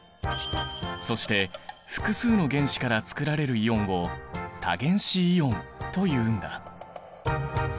そして複数の原子からつくられるイオンを多原子イオンというんだ。